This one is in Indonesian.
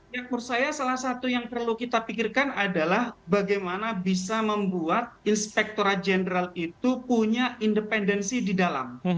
ya menurut saya salah satu yang perlu kita pikirkan adalah bagaimana bisa membuat inspektora jenderal itu punya independensi di dalam